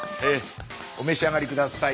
お召し上がり下さい。